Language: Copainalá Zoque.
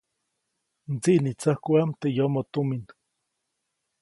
Mdsiʼnitsäjkuʼam teʼ yomoʼ tumin.